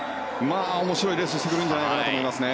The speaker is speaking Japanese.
面白いレースにしてくれるんじゃないかと思いますね。